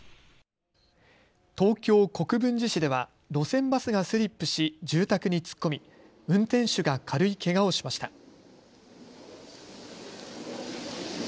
東京国分寺市では路線バスがスリップし住宅に突っ込み運転手が軽いけがをしました。